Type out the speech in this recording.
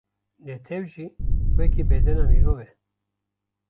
Netew jî weke bedena mirov e.